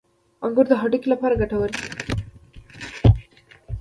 • انګور د هډوکو لپاره ګټور دي.